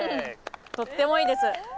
とってもいいです。